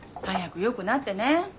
早くよくなってね。